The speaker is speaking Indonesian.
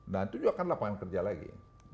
dan itu juga kan lapangan kerja lagi